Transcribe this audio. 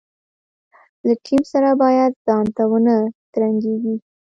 له ټیم سره باید ځانته ونه ترنګېږي.